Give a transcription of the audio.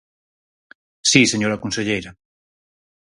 Si, señora conselleira.